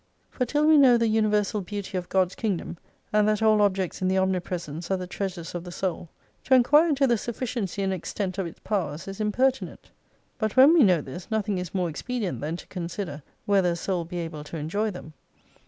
For till we know the universal beauty of God's Kingdom, and that all objects in the omnipresence are the treasures of the soul, to enquire into the sufficiency and extent of its powers is impertinent. But when we know this, nothing is more expedient than to consider whether a soul be able to enjoy them.